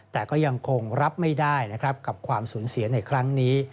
แต่ก็ยังคงรับไม่ได้นะครับกับความสูญเสียในครั้งนี้